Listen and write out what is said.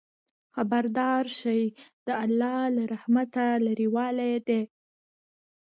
خبردار شئ! د الله له رحمته لرېوالی دی.